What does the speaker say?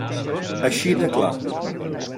Així de clar.